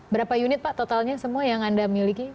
berapa unit pak totalnya semua yang anda miliki